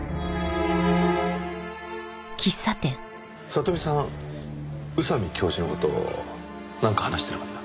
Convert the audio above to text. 里美さん宇佐美教授の事なんか話してなかった？